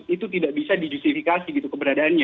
itu tidak bisa dijusifikasi keberadaannya